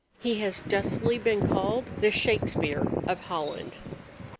He has justly been called "the Shakespeare of Holland."